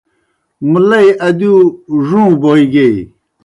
مُلئی ادِیؤ ڙُوں بوئے گیئی۔